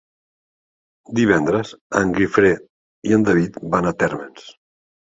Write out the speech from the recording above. Divendres en Guifré i en David van a Térmens.